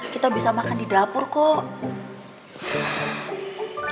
kita bisa makan di dapur kok